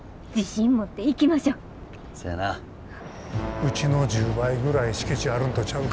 うちの１０倍ぐらい敷地あるんとちゃうか？